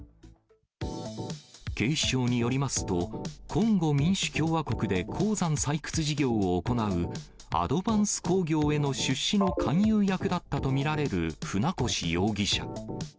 警視庁によりますと、コンゴ民主共和国で鉱山採掘事業を行うアドヴァンス工業への出資の勧誘役だったと見られる船越容疑者。